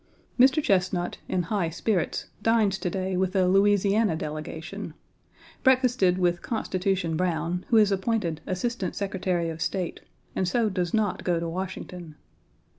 Mr. Chesnut, in high spirits, dines to day with the Louisiana delegation. Breakfasted with "Constitution" Browne, who is appointed Assistant Secretary of State, and so does not go to Washington.